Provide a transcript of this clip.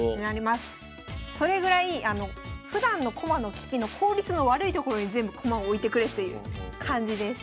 それぐらいふだんの駒の利きの効率の悪い所に全部駒を置いてくれっていう感じです。